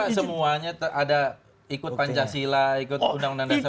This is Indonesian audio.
tertulis pak semuanya ada ikut pancasila ikut undang undang sebaiknya